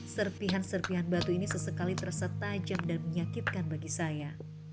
serpihan serpihan batu ini sesekali tersetajam dan menyakitkan bagi saya